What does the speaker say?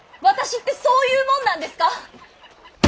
私ってそういうもんなんですか。